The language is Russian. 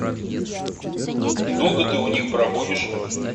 И долго ты у них пробудешь?